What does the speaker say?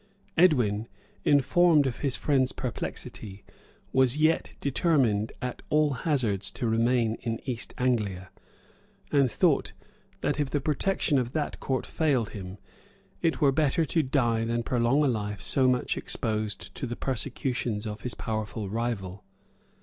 Edwin, informed of his friend's perplexity, was yet determined at all hazards to remain in East Anglia; and thought, that if the protection of that court failed him, it were better to die than prolong a life so much exposed to the persecutions of his powerful rival.